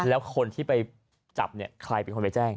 แล้วคนที่ไปจับเนี่ยใครเป็นคนไปแจ้ง